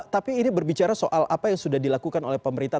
tapi ini berbicara soal apa yang sudah dilakukan oleh pemerintah